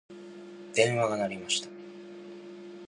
電話が鳴りました。